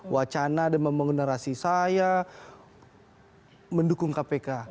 wacana dan membangun narasi saya mendukung kpk